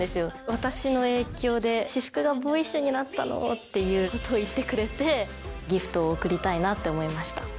私の影響で「私服がボーイッシュになったの」っていうことを言ってくれてギフトを贈りたいなって思いました。